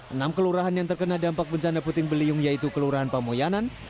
enam kelurahan yang terkena dampak bencana puting beliung yaitu kelurahan pamoyanan